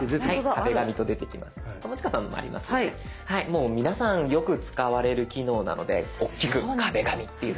もう皆さんよく使われる機能なのでおっきく「壁紙」って。